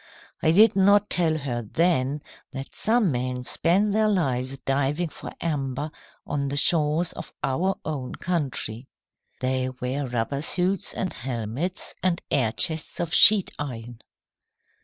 I did not tell her then that some men spend their lives diving for amber on the shores of our own country. "They wear rubber suits and helmets and air chests of sheet iron."